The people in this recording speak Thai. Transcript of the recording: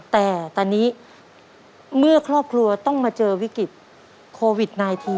แต่ตอนนี้เมื่อครอบครัวต้องมาเจอวิกฤตโควิด๑๙